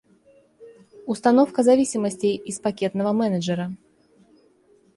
Установка зависимостей из пакетного менеджера